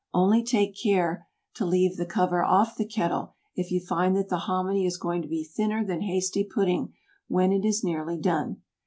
Only take care to leave the cover off the kettle if you find that the hominy is going to be thinner than hasty pudding when it is nearly done.